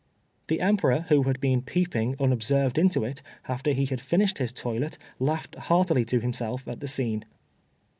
The Emperor, who had been peeping unobserved into it, after he had finished his toilet, laughed heartily to himself at the scene.